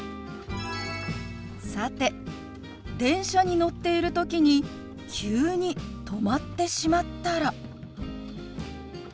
さて電車に乗っている時に急に止まってしまったら。